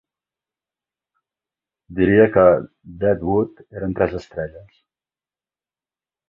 Diria que "Dead Wood" eren tres estrelles